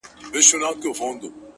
مـاتــه يــاديـــده اشـــــنـــا،